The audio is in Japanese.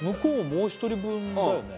もう一人分だよねああ